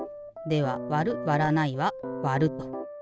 ではわるわらないはわると。